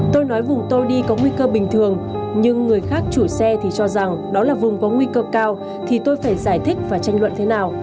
tôi nói vùng tôi đi có nguy cơ bình thường nhưng người khác chủ xe thì cho rằng đó là vùng có nguy cơ cao thì tôi phải giải thích và tranh luận thế nào